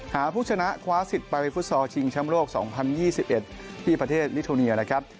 หาผู้ชนะคว้า๑๐ไปเป็นฟุตซอร์ชิงช้ำโลก๒๐๒๑ที่ประเทศนิทโนเนียนะครับ